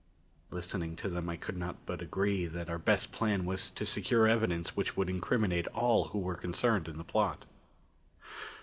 Listening to them, I could not but agree that our best plan was to secure evidence which would incriminate all who were concerned in the plot.